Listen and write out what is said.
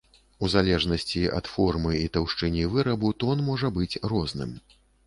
У залежнасці ад формы і таўшчыні вырабу, тон можа быць розным.